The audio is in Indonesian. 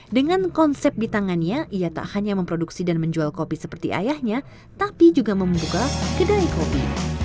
dengan konsep di tangannya ia tak hanya memproduksi dan menjual kopi seperti ayahnya tapi juga membuka kedai kopi